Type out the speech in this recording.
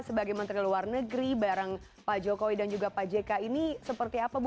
sebagai menteri luar negeri bareng pak jokowi dan juga pak jk ini seperti apa bu